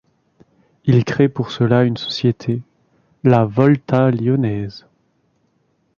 Il crée pour cela une société, la Volta lyonnaise.